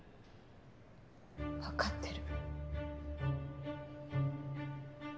わかってる。